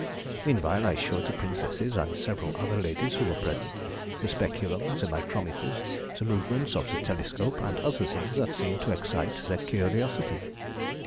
Meanwhile I showed the Princesses, and several other ladies who were present, the speculum, the micrometers, the movements of the telescope, and other things that seemed to excite their curiosity.